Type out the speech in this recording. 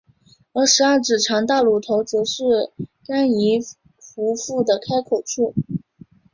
而十二指肠大乳头则是肝胰壶腹的开口处。